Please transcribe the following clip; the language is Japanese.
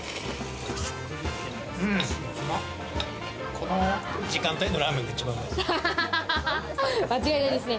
この時間帯のラーメン一番うまいですね。